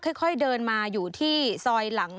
ค่อยเดินมาอยู่ที่ซอยหลัง